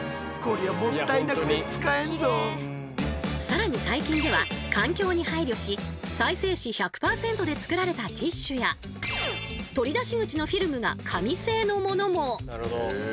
更に最近では環境に配慮し再生紙１００％で作られたティッシュや取り出し口のフィルムが紙製のものも。